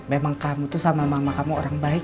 memang kamu tuh sama mama kamu orang baik